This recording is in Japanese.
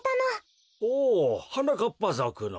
おおはなかっぱぞくの。